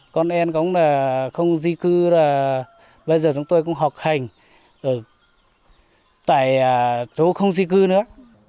con em cũng không di cư bây giờ chúng tôi cũng học hành tại chỗ không di cư nữa